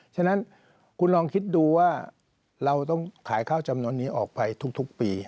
ฉะนั้นคุณลองคิดดูว่าเราต้องขายข้าวจำนวนนี้ออกไปทุกปี